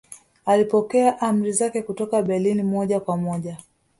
Alipokea amri zake kutoka Berlin moja kwa moja